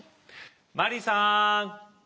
マリーさん！